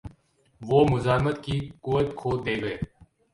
وہ مزاحمت کی قوت کھو دیں گے۔